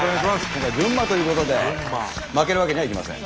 今回群馬ということで負けるわけにはいきません。